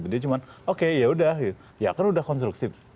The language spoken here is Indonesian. dia cuma oke yaudah ya kan udah konstruksi